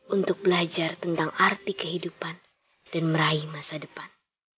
untuk belajar tentang arti kehidupan dan meraih masa depan